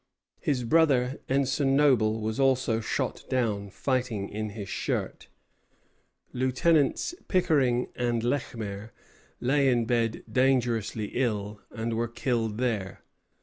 His brother, Ensign Noble, was also shot down, fighting in his shirt. Lieutenants Pickering and Lechmere lay in bed dangerously ill, and were killed there.